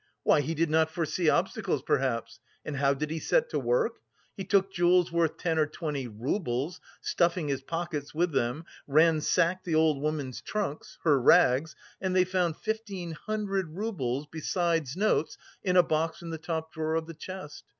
Why, he did not foresee obstacles, perhaps! And how did he set to work? He took jewels worth ten or twenty roubles, stuffing his pockets with them, ransacked the old woman's trunks, her rags and they found fifteen hundred roubles, besides notes, in a box in the top drawer of the chest!